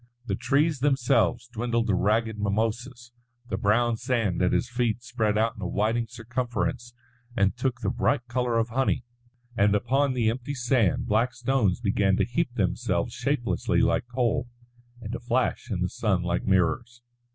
The trees themselves dwindled to ragged mimosas, the brown sand at his feet spread out in a widening circumference and took the bright colour of honey; and upon the empty sand black stones began to heap themselves shapelessly like coal, and to flash in the sun like mirrors.